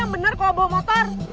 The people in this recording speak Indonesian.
yang bener kalo bawa motor